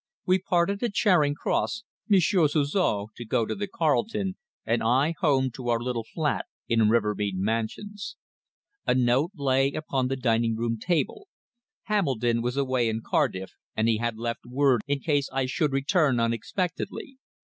We parted at Charing Cross, Monsieur Suzor to go to the Carlton, and I home to our little flat in Rivermead Mansions. A note lay upon the dining room table. Hambledon was away in Cardiff, and he had left word in case I should return unexpectedly.